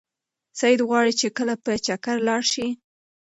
سعید غواړي چې کلي ته په چکر لاړ شي.